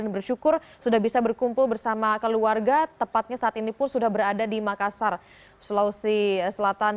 dan bersyukur sudah bisa berkumpul bersama keluarga tepatnya saat ini pun sudah berada di makassar sulawesi selatan